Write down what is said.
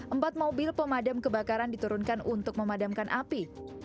empat mobil pemadam kebakaran diturunkan untuk memadamkan api